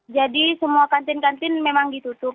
jadi semua kantin kantin memang ditutup